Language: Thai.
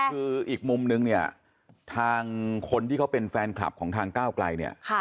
คืออีกมุมนึงเนี่ยทางคนที่เขาเป็นแฟนคลับของทางก้าวไกลเนี่ย